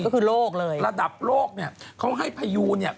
ก็คือโลกเลยระดับโลกเนี่ยเขาให้พยูนเนี่ย